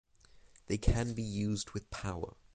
They can be used with power.